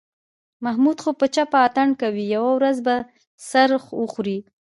محمود خو په چپه اتڼ کوي، یوه ورځ به سر وخوري.